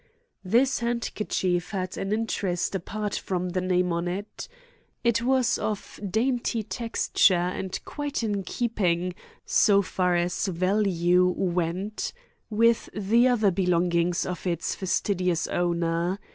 This handkerchief had an interest apart from the name on it. It was of dainty texture and quite in keeping, so far as value went, with the other belongings of its fastidious owner.